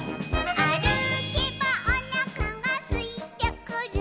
「あるけばおなかがすいてくる」